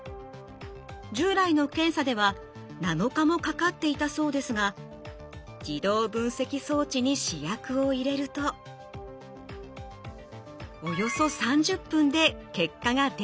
従来の検査では７日もかかっていたそうですが自動分析装置に試薬を入れるとおよそ３０分で結果が出てきました。